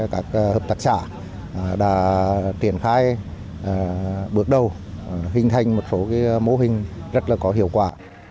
các hợp tác xã đã triển khai bước đầu hình thành một số mô hình rất là có hiệu quả